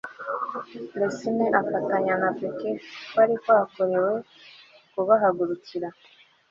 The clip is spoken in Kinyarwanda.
resini afatanya na peka] kwari kwakorewe kubahagurukira